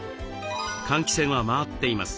換気扇は回っています。